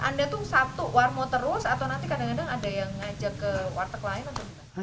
anda satu warmo terus atau nanti kadang kadang ada yang ngajak ke warteg lain